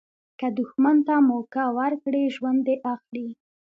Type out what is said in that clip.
که دوښمن ته موکه ورکړي، ژوند دي اخلي.